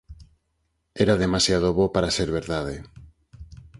Era demasiado bo para ser verdade